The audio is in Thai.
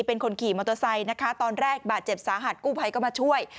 เป็นคนขี่มอเตอร์ไซค์นะคะตอนแรกบาดเจ็บสาหัสกู้ภัยก็มาช่วย